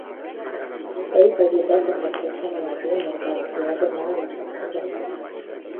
Ell va lluitar contra aquesta malaltia mortal i va tornar a les curses al maig.